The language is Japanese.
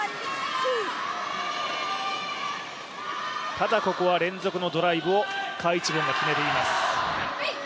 ただここは連続のドライブを賈一凡が決めています。